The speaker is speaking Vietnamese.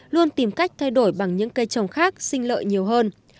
luôn tìm cách thay đổi bằng những cây trồng khác sinh lợi nhiều hơn